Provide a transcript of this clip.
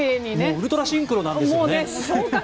ウルトラシンクロなんですよね。